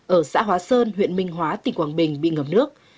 ở xã hóa sơn huyện minh hóa tỉnh quảng bình bị ngập nước